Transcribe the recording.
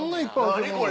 何これ！